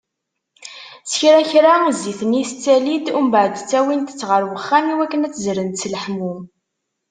S kra kra, zzit-nni tettali-d umbeεed ttawint-tt γer uxxam i wakken ad tt-zzrent s leḥmu.